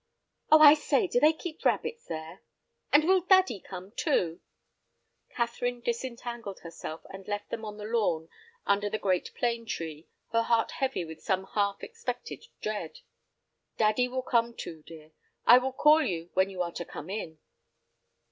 "Oh, I say, do they keep rabbits there?" "And will daddy come too?" Catherine disentangled herself, and left them on the lawn under the great plane tree, her heart heavy with some half expected dread. "Daddy will come too, dear. I will call you when you are to come in."